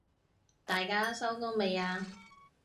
大家收工未啊？